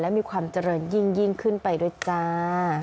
และมีความเจริญยิ่งขึ้นไปด้วยจ้า